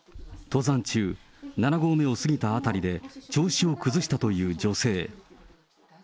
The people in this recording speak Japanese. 登山中、７合目を過ぎた辺りで、調子を崩したという女性。